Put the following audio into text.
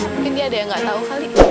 mungkin dia ada yang gak tau kali